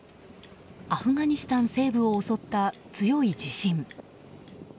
アフガニスタン西部を襲った強い地震。